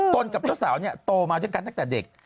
กับเจ้าสาวเนี่ยโตมาด้วยกันตั้งแต่เด็ก